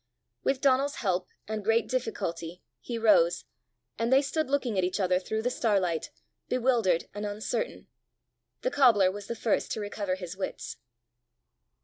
With Donal's help, and great difficulty, he rose, and they stood looking at each other through the starlight, bewildered and uncertain. The cobbler was the first to recover his wits.